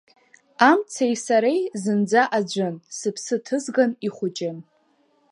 Амцеи сареи зынӡа аӡәын, сыԥсы ҭызган ихәыҷын.